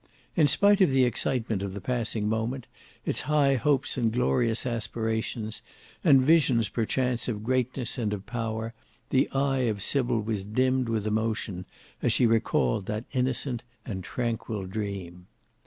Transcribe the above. In spite of the excitement of the passing moment, its high hopes and glorious aspirations, and visions perchance of greatness and of power, the eye of Sybil was dimmed with emotion as she recalled that innocent and tranquil dream.